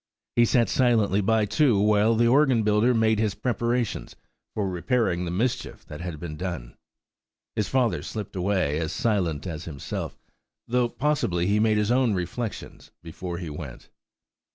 He sat silently by, too, while the organ builder made his preparations for repairing the mischief that had been done. He father slipt away, as silent as himself, though possibly he made his own reflections before he went.